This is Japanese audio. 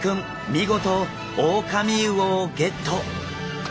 見事オオカミウオをゲット！